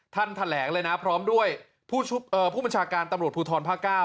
แถลงเลยนะพร้อมด้วยผู้บัญชาการตำรวจภูทรภาค๙